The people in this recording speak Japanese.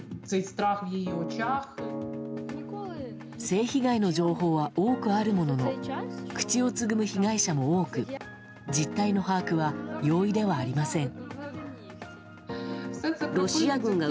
性被害の情報は多くあるものの口をつぐむ被害者も多く実態の把握は容易ではありません。